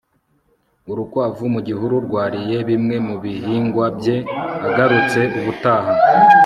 urukwavu mu gihuru rwariye bimwe mubihingwa bye. agarutse ubutaha